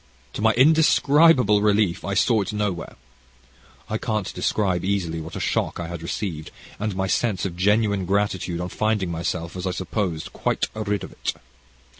To my indescribable relief I saw it nowhere. I can't describe easily what a shock I had received, and my sense of genuine gratitude on finding myself, as I supposed, quite rid of it.